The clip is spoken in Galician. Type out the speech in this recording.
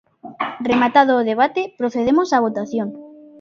Rematado o debate, procedemos á votación.